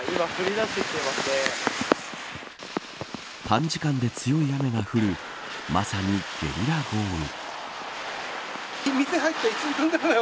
短時間で強い雨が降るまさにゲリラ豪雨。